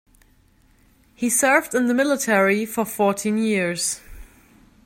He served in the military for fourteen years.